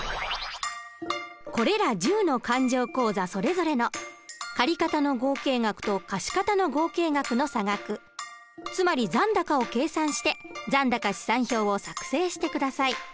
これら１０の勘定口座それぞれの借方の合計額と貸方の合計額の差額つまり残高を計算して残高試算表を作成して下さい。